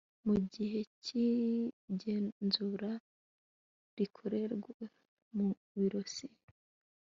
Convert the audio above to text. Mu gihe cy igenzura rikorewe mu biro si